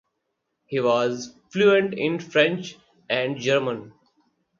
He was fluent in French and German.